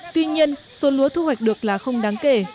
tuy nhiên số lúa thu hoạch được là không đáng kể